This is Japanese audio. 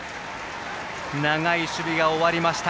長い守備が終わりました。